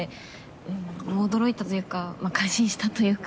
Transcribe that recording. うん驚いたというかまあ感心したというか。